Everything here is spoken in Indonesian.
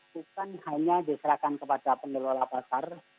bukan hanya diserahkan kepada pengelola pasar